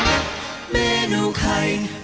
เมนูไข่เมนูไข่อร่อยแท้อยากกิน